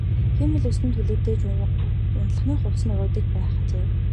Хиймэл үс нь түлэгдэж унтлагын хувцас нь урагдсан байх ажээ.